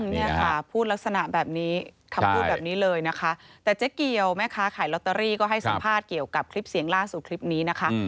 เนี่ยค่ะพูดลักษณะแบบนี้คำพูดแบบนี้เลยนะคะแต่เจ๊เกียวแม่ค้าขายลอตเตอรี่ก็ให้สัมภาษณ์เกี่ยวกับคลิปเสียงล่าสุดคลิปนี้นะคะ